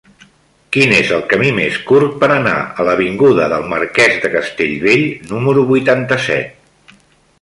Quin és el camí més curt per anar a l'avinguda del Marquès de Castellbell número vuitanta-set?